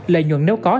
lợi nhuận nếu có